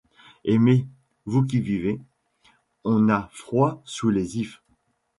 Aimez, vous qui vivez ! on a froid sous les ifs.